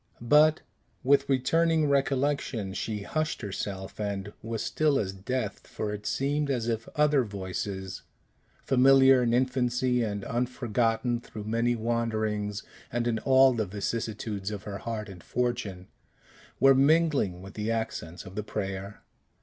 But, with returning recollection, she hushed herself, and was still as death. For it seemed as if other voices familiar in infancy, and unforgotten through many wanderings, and in all the vicissitudes of her heart and fortune were mingling with the accents of the prayer.